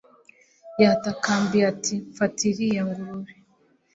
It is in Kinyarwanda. yatakambiye ati 'mfatira iriya ngurube